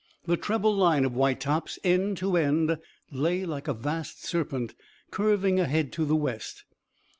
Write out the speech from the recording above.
The treble line of white tops, end to end, lay like a vast serpent, curving, ahead to the West.